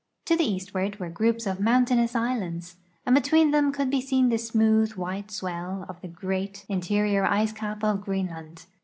To the eastward were groups of mountainous islands, and be tween them could be seen the smooth, white swell of the great interior ice cap of Greenland.